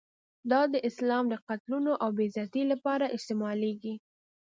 دا اسلام د قتلونو او بې عزتۍ لپاره استعمالېږي.